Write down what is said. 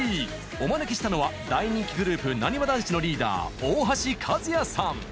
お招きしたのは大人気グループ「なにわ男子」のリーダー大橋和也さん。